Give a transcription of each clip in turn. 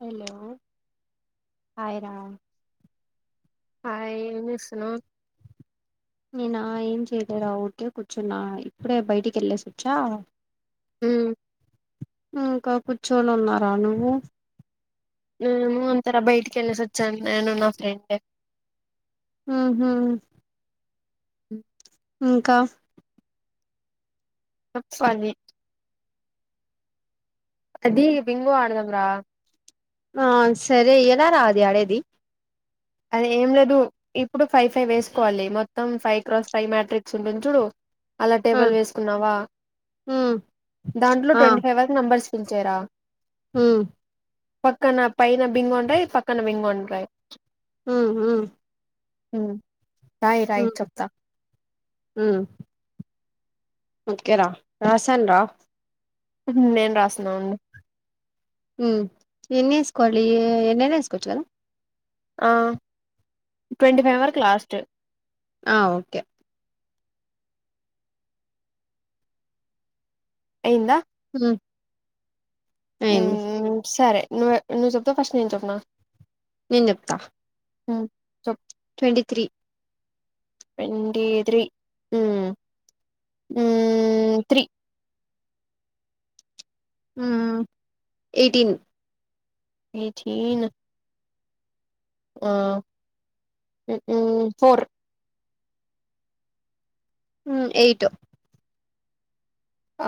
Hello హైరా hi ఏంచేస్తునవ్ నేను ఏం చేయలేరా ఊర్కే కూర్చున్నా ఇప్పుడే బయటికెళ్లేశోచ అ ఇంకా కూర్చోని ఉన్నారా నువ్వు నేను అంతేరా బయటికెళ్లేశోచ్చా నేను నా ఫ్రెండ్ ఆ హ హ ఇంకా చెప్పాలి అదీ బింగో ఆడదామ్రా ఆ సరే ఎలా రా అది ఆడేది అదేంలేదు ఇప్పుడు ఫైవ్ ఫైవ్ వేసుకోవాలి మొత్తం ఫైవ్ క్రాస్ ఫైవ్ మ్యాట్రిక్స్ ఉంటుంది చూడు అలా ఆ టేబుల్ వేసుకున్నావా ఉమ్ దాంట్లో ట్వంటీ ఫైవ్ వరకు నెంబర్స్ ఉంచేరా హ్మ్మ్ పక్కన పైన బింగోఉంటై పక్కన బింగండ్రయి హ్మ్ హ్మ్ హ్మ్ రాయి రాయి చెప్తా ఆ ఓకేరా రాసన్ రా నేను రాస్తునావుండు హ్మ్ ఎన్ని ఎస్కోవాలి ఎన్నన్న ఎస్కోచ్చు కదా ఆ ట్వంటీ ఫైవ్ వరకు లాస్ట్ ఆ ఓకే అయింద హ్మ్ హ్మ్ సరే నువే నువ్వు చెప్తావ ఫస్ట్ నేను చెప్నా నేను చెప్తా హ్మ్ చెప్ ట్వంటి త్రీ ట్వంటీ త్రి హ్మ్ హ్మ్ త్రీ ఉమ్ ఎయ్టీన్ ఎయిటీన్ ఆ ఫోర్ ఏయిట్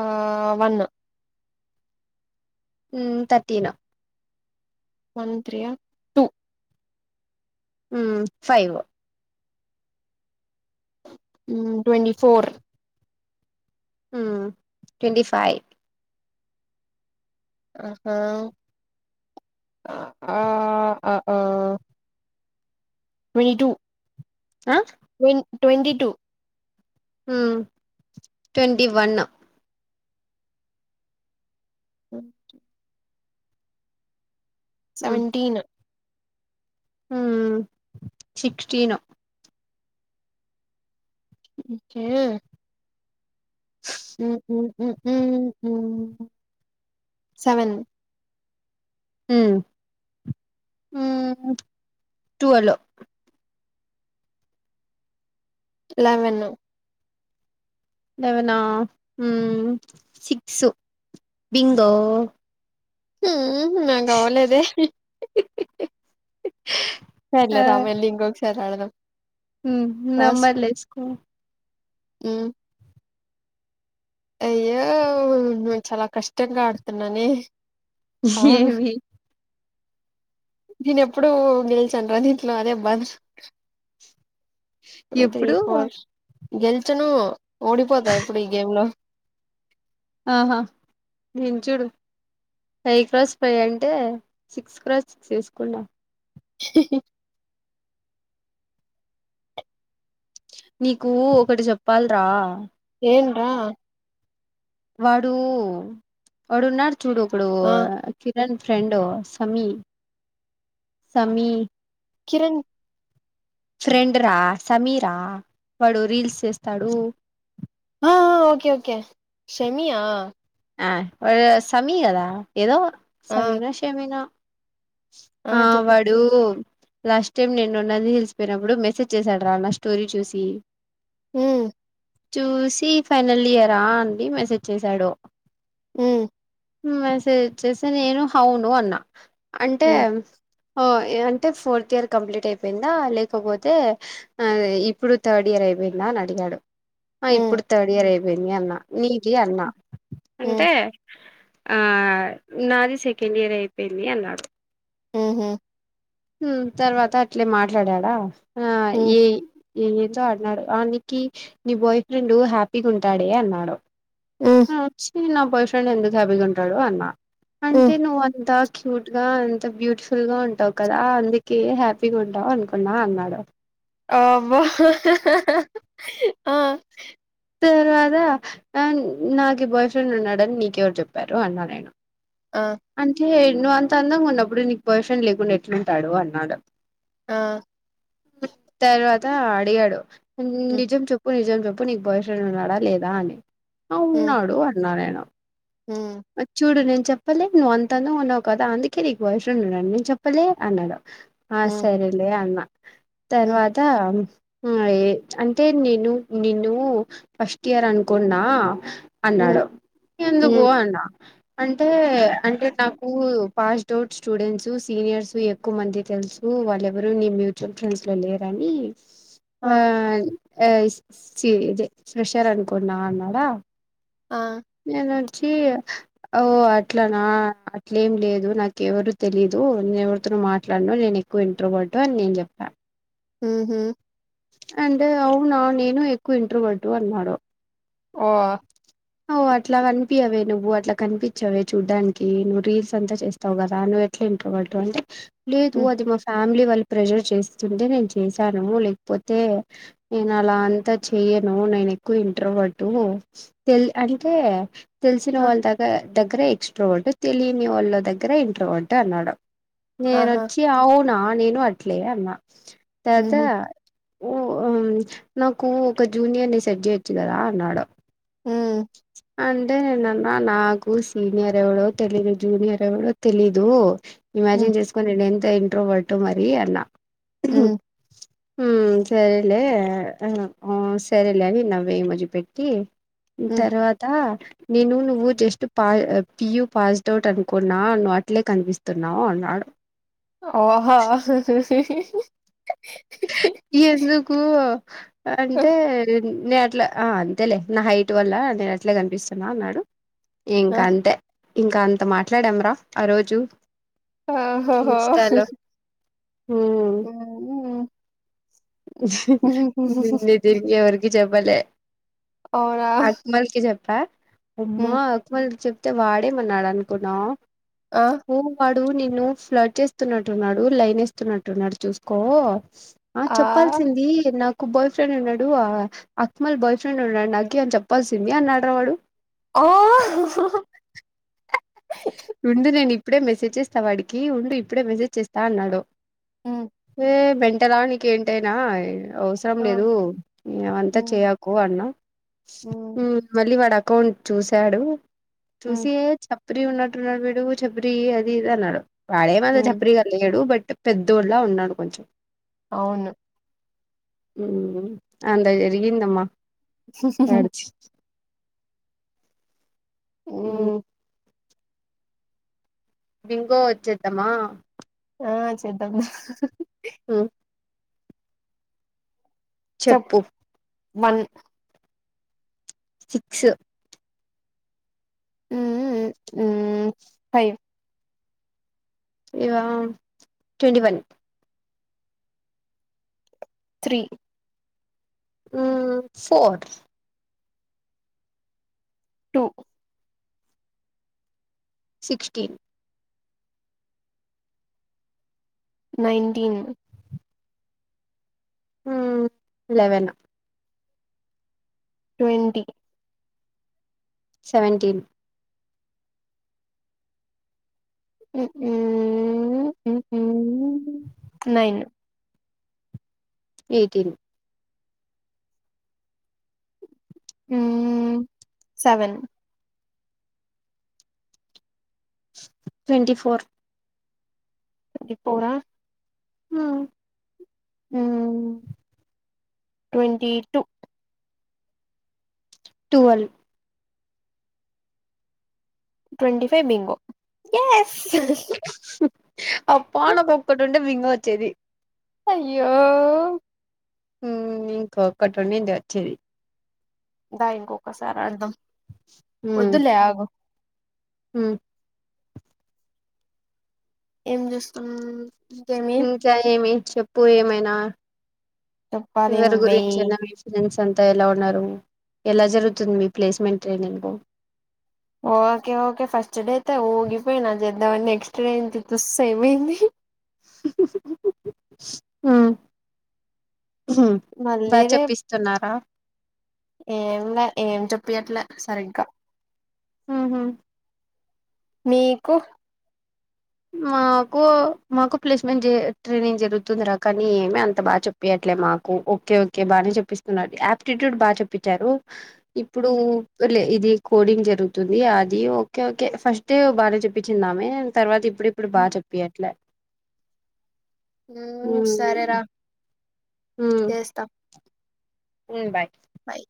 ఆ వన్ ఉమ్ థర్టీన్ వన్ త్రి టు హ్మ్ ఫైవ్ ఉ ట్వంటీ ఫోర్ ట్వంటి ఫైవ్ ఆహా ఆ ఆఆ వేటు ఆ ట్వంటీ టూ ట్వంటి వన్ ఉ సెవెంటీన్ ఉ సిక్స్టీన్ ఇంకే సెవెన్ ఉ ట్వెల్వ్ లెవెన్ లెవెనా ఉ సిక్స్ బింగో హు నాగ్ అవ్వలేదే సర్లే రా వెళ్ళి ఇంకొకసారి ఆడదాం ఉ నంబర్లు ఎస్కో ఉ అయ్యో నెను చాలా కష్టంగా ఆడుతున్నానే అవును ఏమి నేను ఎప్పుడు గెలిచాను రా దీంట్లో అదే బాధ ఎప్పుడు గెల్చను ఓడిపోతా ఎప్పుడు ఈ గేమ్ లో ఆహా భించూడు ఫైవ్ క్రాస్ ఫైవ్ అంటే సిక్స్ క్రాస్ సిక్స్ ఎసుకున్నా నీకు ఒకటి చెప్పాల్రా ఏంట్రా వాడూ వాడు ఉన్నాడు చూడు ఒకడు ఆ కి రన్ ఫ్రెండ్ సమీ సమీ కిరణ్ ఫ్రెండ్ రా సమీరా వాడు రీల్స్ చేస్తాడు ఆ ఓకే ఓకే షెమి ఆ ఆ ఓరి సమీ కదా ఏదో ఆ సమీనో షెమీనో ఆ వాడు లాస్ట్ టైం నేను నంది హిల్స్ పోయినప్పుడు మెసేజ్ చేశాడు రా నా స్టోరీ చూసి ఊ చూసి ఫైనల్ ఇయరా అండి మెసేజ్ చెసాడు ఉ మెసేజ్ వచ్చేసి నేను హౌను అన్నా అంటే ఉమ్ ఓ అంటే ఫోర్త్ ఇయర్ కంప్లీట్ అయిపోయిందా లేకపోతే ఇప్పుడు థర్డ్ ఇయర్ అయ్ అయిపోయిందా అని అడిగాడు ఆ ఉమ్ ఇప్పుడు థర్డ్ ఇయర్ అయిపోయింది అన్నా నీ కి అన్న ఉమ్ అంటే ఆ నాది సెకండ్ ఇయర్ అయిపోయింది అన్నాడు ఉహు తర్వాత అట్లే మాట్లాడాడా ఆ ఉమ్ ఈ ఈతో అన్నాడు ఆనీకి నీ బాయ్ ఫ్రెండ్ హ్యాపీగా ఉంటాడే అన్నాడు ఉమ్ ఉమ్ వచ్చి నా బాయ్ ఫ్రెండ్ ఎందుకు హాపీగుంటాడు అన్నా అంటే ఉమ్. నువ్వు అంతా క్యూట్ గా అంత బ్యూటిఫుల్ గా ఉంటావ్ కదా అందుకే హ్యాపీగా ఉంటావు అనుకున్నా అన్నాడు ఆవ్వ హ హ హ ఆ తర్వాత నా నాకు బాయ్ ఫ్రెండ్ ఉన్నాడని నీకెవరు చెప్పారు అన్నా నేను ఆ అంటే నువ్వు అంత అందంగా ఉన్నప్పుడు నీకు బాయ్ఫ్రెండ్ లేకుండా ఎట్లుంటాడు అన్నాడు ఆ తర్వాత ఆడిగాడు ఉమ్ నిజం చెప్పు నిజం చెప్ ప్పు నీకు బాయ్ఫ్రెండ్ ఉన్నాడా లేదా అని ఆ ఉమ్ ఉన్నాడు అన్నానేను ఉమ్ చూడునే చెప్పలే నువ్వు అంతందంగా ఉన్నావు కదా అందుకే నీకు బాయ్ఫ్రెండ్ ఉన్నాడు నేను చెప్పలే అన్నడు ఆ ఉమ్ సరేలే అన్నా ఉమ్ తర్వాత ఆఎ అంటే నేను నిను ఫస్ట్ ఇయర్ అనుకున్నా ఉమ్ అన్నాడు ఎందుకు ఉమ్ అన్నా అన్ అంటే నాకు పాస్డ్ అవుట్ స్టూడెంట్స్ సీనియర్స్ ఎక్కువ మంది తెలుసు వాళ్ళ ఎవరు నీ మ్యూచువల్ ఫ్రెండ్స్ లో లేర అనీ ఆ యే చి ఫ్రెషర్ అనుకున్నా అన్నాడా ఆ నేను వచ్చి ఓ అట్లా నా అట్లేం లేదు నాకు ఎవరు తెలీదు నే ఎవరితోను మాట్లడను నేను ఎక్ ఇంట్రోవర్ట్ అని నేను చెప్పా ఉహు అండ్ అవునా నేను ఎక్కువ ఇంట్రోవర్టు అన్నాడు ఓ ఓ అట్లా కనిపియవే నువ్వు అట్లా కనిపించవే చూడ్డానికి నువ్వు రీల్స్ అంతా చేస్తావు కదా నువ అట్ల ఇంట్రోవర్ట్ అంటే లేదు ఉమ్ అది మా ఫ్యామిలీ వాళ్ళు ప్రెజర్ చేస్తుంటే నేను చేశాను లేకపోతే నేను అలా అంతా చెయ్యను నేను ఎక్కువ ఇంట్రోవర్ట్ తెల్ అంటే తెలిసిన ఆ వాళ్ళ దగ దగ్గర ఎక్స్ట్ర వర్ట్ తెలియని వాళ్ళ దగ్గర ఇంట్రోవర్ట్ అన్నాడు ఆహా నేనోచ్చి ఆవ్ నా నేను అట్లే అన్నా తర్త హుహు. ఓ నాకు ఒక జూనియర్ ని సెట్ జేయచ్చు కదా అన్నా హ్మ్. అంటే నేనన్న నాకు సీనియర్ ఎవరో తెలిదు జూనియర్ ఎవరో తెలీదు హ్మ్. ఇమాజిన్ చేసుకొని నేను ఎంత ఇంట్రోవర్ట్ మరి అన్నా హ్మ్. ఊ సరేలే సరేలే అవి నవ్వేయ మజిపెట్టి హ్మ్. తర్వాత నేను నువ్వు జస్ట్ పా పియు పాస్డ్ అవుట్ అనుకున్నా నువ్వు అట్లే కనిపిస్తున్నావ్ ఓహా ఎందుకు అంటే నేను అట్లా ఆ అంతేలే నా హైట్ వల్ల నేను అట్లే కనిపిస్తున్నా అన్నాడు ఇంకా అంతే ఇంకా అంత మాట్లాడాంరా ఆ రోజు ఆహహో ఇన్స్టాలో హ్మ్ ఆ తిరిగి వరికి చెప్పాలే అవునా? అక్మల్కిి చెప్పా ఉమ్మా హ్మ్. అక్మల్ చెప్ తే వాడేం అన్నడ్ అనుకున్నావ్ ఆ! ఏంకాదు నిన్ను ఫ్లడ్ చేస్తున్నట్టున్నాడు లైన్ వేస్తున్నట్టున్నాడు చూసుకో ఆ చెప్పాల్సింది నాకు బాయ్ ఫ్రెండ్ ఉన్నాడు అక్మల్ బాయ్ ఫ్రెండ్ ఉన్నాడు నాకి అని చెప్పాల్సింది అన్నాడ్రా వాడు ఆ ఉండు నేను ఇప్పుడే మెసేజ్ చేస్తా వాడికి ఉండు ఇప్పుడే మెసేజ్ చేస్తా అన్నాడు ఏ మెంటలా నీకెంటేనా అవసరం ఆ! లేదు అంతా హ్మ్. చేయకు అన్నా హ్మ్. మళ్ళీ వాడాక అకౌంట్ చూశాడు హ్మ్. చూసి చబరి ఉన్నట్టున్నాడు బడు చబరి అది ఇది అన్నాడు వాడేమద హ్మ్. చబరి కలిలేడు బట్ పెద్దొలా ఉన్నాడు కొంచెం అవును ఆ అంత జరిగిందమ్మా హు హు వాడిది ఆ హ్మ్. వింగో వచ్చదమా ఆ చేద్దాంమ ఆ చెప్ చెప్పు సిక్స్ ఆ ఫైవ్ ఇగా ట్వంటీ వన్ త్రీ ఉ ఫోర్ టూ సిక్స్టీన్ నేన్టీన్ హ్మ్ eleven twenty seventeen nine eighteen seven twenty four twenty ఫోరా ఆ twenty two twelve twenty five bingo హె అబ్బా నకు ఒక్కటుంటే బింగో వచ్చేది అయ్యో హ్మ్ ఇంకొక్కటి ఉండింది వచ్చేది దా ఇంకొకసారి ఆడుదాం పొద్దున్నే ఆడదాం. ఉమ్. ఏం చేస్తున్నారు. ఇంకా ఏమి చెప్పు ఏమైనా. చెప్పాలి ఎవరి నువ్వే గురించి అయినా చెప్పు విషయ. అంతా ఎలా ఉన్నారు ఎలా జరుగుతుంది మీ placement training. Okay okay first day అయితే ఊగిపోయిన చేద్దామని నెక్స్ట్ డే ఉంది. అసలేమైంది. ఆహ్. మళ్ళీరే ఏంలే ఏం చెప్పియట్లే. సరిగ్గా. అమ్మ. మీకు. మాకు మాకు ప్లేస్మెంట్ ట్రైనింగ్ జరుగుతుందిరా కానీ ఏమి అంత బాగా చుప్పియరు. ఆహ్ మాకు ఓకే ఓకే బాగానే చుపిస్తున్నాది ఆప్టిట్యూడ్ బాగా చుప్పించారు. ఇప్పుడులే. ఇది కోడింగ్ జరుగుతుంది అది ఓకే ఓకే ఫస్ట్ డే బాగానే చుప్పించిందామే తర్వాత. ఇప్పుడు బాగా చుప్పియట్లే. ఉమ్ సరేరా ఉమ్, చేస్తా. ఉమ్ బాయ్. బాయ్.